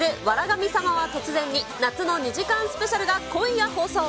神様は突然に夏の２時間スペシャルが今夜放送。